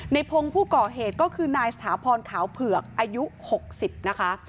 ในพงศ์ผู้ก่อเหตุก็คือนายสถาพรขาวเผือกอายุ๖๐นะคะ